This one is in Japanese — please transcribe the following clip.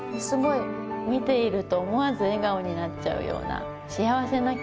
すごい！見ていると思わず笑顔になっちゃうような。